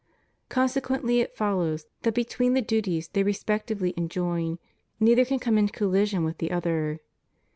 Con sequently it follows that between the duties they respect L ively enjoin, neither can come into collision with the other.